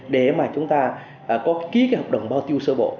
để mà chúng ta có ký cái hợp đồng bao tiêu sơ bộ